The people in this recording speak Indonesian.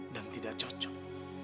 dan tidak cocok